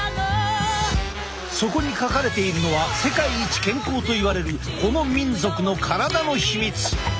そこに書かれているのは世界一健康といわれるこの民族の体のヒミツ。